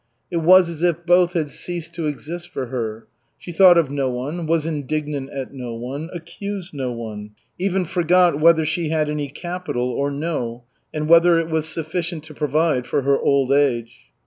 It was as if both had ceased to exist for her. She thought of no one, was indignant at no one, accused no one, even forgot whether she had any capital or no and whether it was sufficient to provide for her old age.